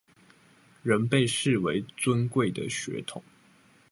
仍被視為尊貴的血統